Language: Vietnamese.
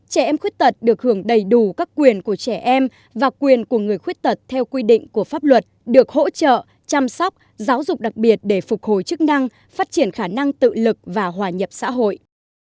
trẻ em khuyết tật được hưởng đầy đủ các quyền của trẻ em và quyền của người khuyết tật theo quy định của pháp luật được hỗ trợ chăm sóc giáo dục đặc biệt để phục hồi chức năng phát triển khả năng tự lực và hòa nhập xã hội